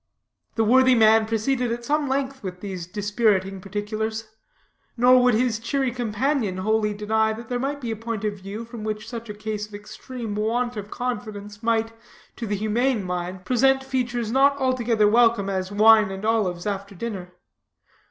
The worthy man proceeded at some length with these dispiriting particulars. Nor would his cheery companion wholly deny that there might be a point of view from which such a case of extreme want of confidence might, to the humane mind, present features not altogether welcome as wine and olives after dinner.